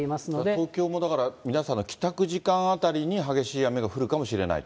東京もだから、皆さんの帰宅時間あたりに、激しい雨が降るかもしれないと。